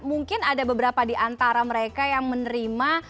mungkin ada beberapa di antara mereka yang menerima